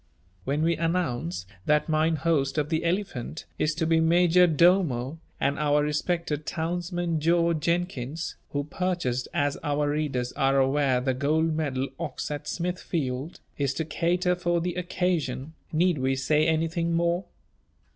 When we announce that mine host of the Elephant is to be major domo, and our respected townsman George Jenkins, who purchased as our readers are aware the gold medal ox at Smithfield, is to cater for the occasion, need we say anything more?